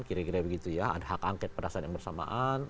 kira kira begitu ya ada hak angket pada saat yang bersamaan